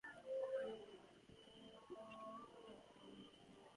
Alan Clark mentions the "Mark problem" in his published diaries.